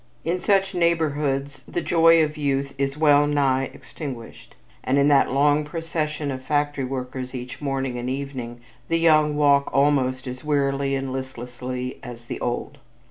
In such neighborhoods the joy of youth is well nigh extinguished; and in that long procession of factory workers, each morning and evening, the young walk almost as wearily and listlessly as the old.